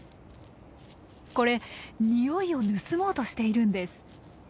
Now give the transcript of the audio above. これにおいを盗もうとしているんです。